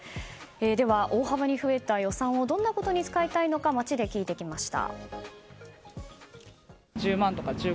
では、大幅に増えた予算をどんなことに使いたいのか街で聞いてきました。